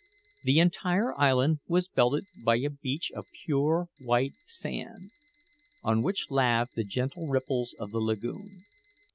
The entire island was belted by a beach of pure white sand, on which laved the gentle ripples of the lagoon.